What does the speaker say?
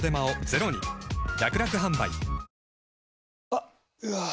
あっ、うわー。